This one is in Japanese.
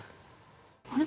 あれ？